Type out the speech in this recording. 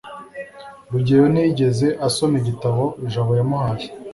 rugeyo ntiyigeze asoma igitabo jabo yamuhaye